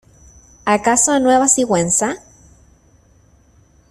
¿ acaso a Nueva Sigüenza?